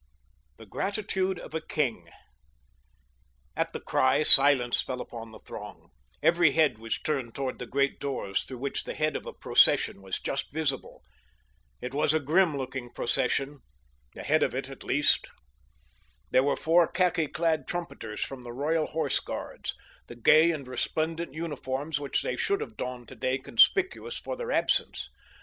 THE GRATITUDE OF A KING At the cry silence fell upon the throng. Every head was turned toward the great doors through which the head of a procession was just visible. It was a grim looking procession—the head of it, at least. There were four khaki clad trumpeters from the Royal Horse Guards, the gay and resplendent uniforms which they should have donned today conspicuous for their absence.